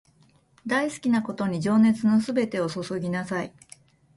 大好きなことに情熱のすべてを注ぎなさい